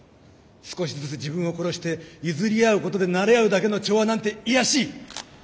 少しずつ自分を殺して譲り合うことでなれ合うだけの調和なんて卑しい！